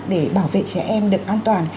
để bảo vệ trẻ em được an toàn